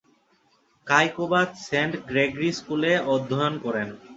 Kaykobad Saint Gregory স্কুলে অধ্যয়ন করেন।